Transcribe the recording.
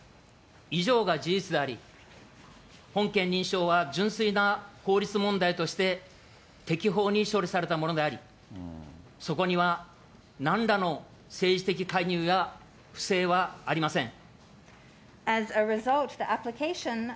以上が事実であり、本件認証は、純粋な法律問題として適法に処理されたものであり、そこには何らの政治的介入や不正はありません。